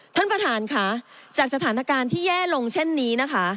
ท่านประธานค่ะจากสถานการณ์ที่แย่ลงเช่นนี้นะคะ